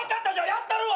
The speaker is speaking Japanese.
やったるわ。